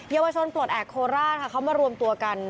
เยาวชนปลดแอบโคลอาร์เข้ามารวมตัวกัน